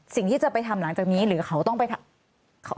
สิ่งที่จะไปทำหลังจากนี้หรือเขาต้องไป